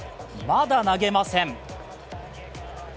まだ投げません。